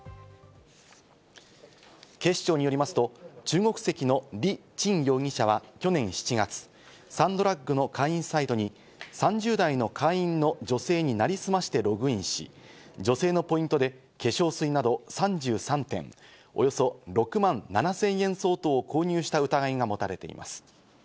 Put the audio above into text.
警視庁によりますと、中国籍のリー・チン容疑者は去年７月、サンドラッグの会員サイトに３０代の会員の女性に成りすましてログインし、女性のポイントで化粧水など３３点、およそ６万７０００円相当を購入した疑いが持たれています。